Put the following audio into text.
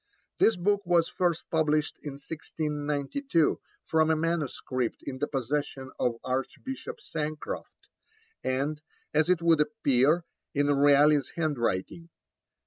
This book was first published in 1692, from a manuscript in the possession of Archbishop Sancroft, and, as it would appear, in Raleigh's handwriting.